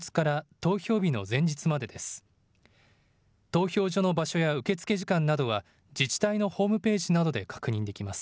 投票所の場所や受け付け時間などは自治体のホームページなどで確認できます。